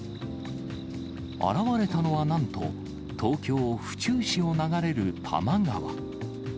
現れたのはなんと、東京・府中市を流れる多摩川。